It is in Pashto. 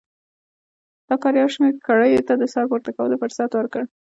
دا کار یو شمېر کړیو ته د سر پورته کولو فرصت ورکړ.